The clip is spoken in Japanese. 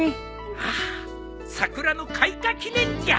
ああ桜の開花記念じゃ。